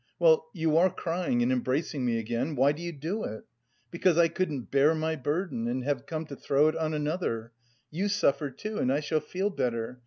Well, you are crying and embracing me again. Why do you do it? Because I couldn't bear my burden and have come to throw it on another: you suffer too, and I shall feel better!